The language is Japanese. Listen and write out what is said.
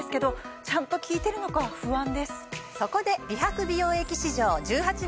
そこで。